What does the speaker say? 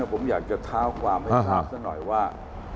ผมอยากจะเท้าความให้ทราบซะหน่อยว่า